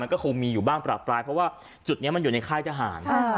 ก็คงมีอยู่บ้างประปรายเพราะว่าจุดนี้มันอยู่ในค่ายทหาร